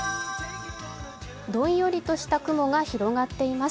どんよりとした雲が広がっています。